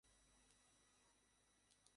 গত মাসে এরকম একটা তে বার্মা ব্লাস্ট হয়েছিল।